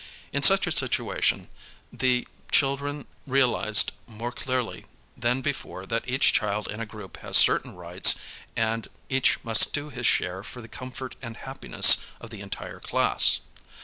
In such a situation the children realized more clearly than before that each child in a group has certain rights and each must do his share for the comfort and happiness of the entire class.